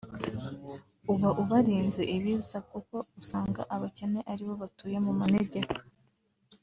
uba ubarinze ibiza kuko usanga abakene ari bo batuye mu manegeka